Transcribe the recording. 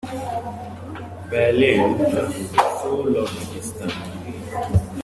Berlin can be so lovely this time of year.